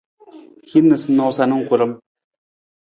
Hin noosanoosa na karam.